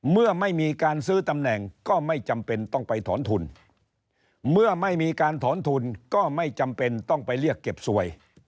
เมื่อไม่มีการซื้อตำแหน่งก็ไม่จำเป็นต้องไปถอนทุนเมื่อไม่มีการถอนทุนก็ไม่จำเป็นต้องไปเรียกเก็บสวย